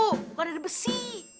bukan dari besi